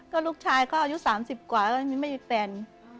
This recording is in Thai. ก็ลูกชายก็อายุ๓๐กว่าไม่เป็น